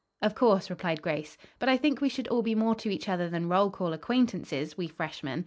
"Of course," replied Grace. "But I think we should all be more to each other than roll call acquaintances, we freshmen.